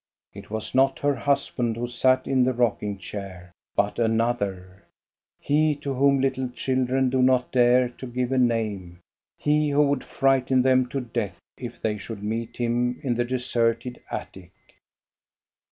It was not her husband who sat in the rocking chair, but another, — he to whom little chil dren do not dare to give a name, he who would frighten them to death if they should meet him in the deserted attic.